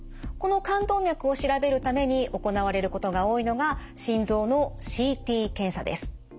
この冠動脈を調べるために行われることが多いのが心臓のＣＴ検査です。